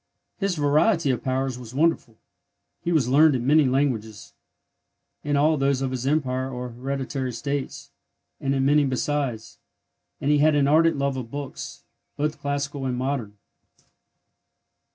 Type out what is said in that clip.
His variety of powers was wonderful. He was learned in many languages—in all those of his empire or hereditary states, and in many besides; and he had an ardent love of books, both classical and modern.